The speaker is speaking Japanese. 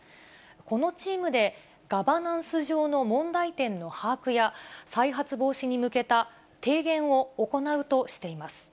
このチームで、ガバナンス上の問題点の把握や、再発防止に向けた提言を行うとしています。